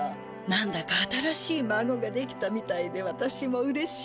何だか新しいまごができたみたいでわたしもうれしいわ。